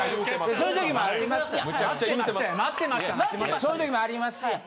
そういう時もありますやん。